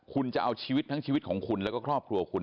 คุณจะเอาชีวิตทั้งชีวิตของคุณแล้วก็ครอบครัวคุณ